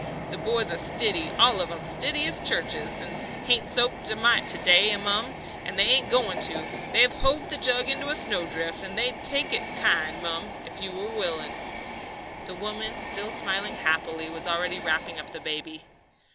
The boys are stiddy, all of 'em, stiddy as churches. They hain't soaked a mite to day, mum, and they ain't goin' to; they've hove the jug into a snowdrift, and they'd take it kind, mum if you are willin'." The woman, still smiling happily, was already wrapping up the baby.